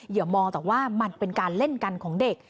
อย่ามองแต่ว่ามันเป็นการเล่นกันของเด็ก